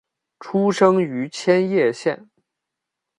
出生于千叶县。